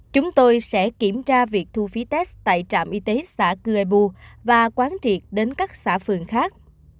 chúng tôi sẽ kiểm tra việc thu phí test tại trạm y tế xã cư ê bu và quán triệt đến các xã phường khác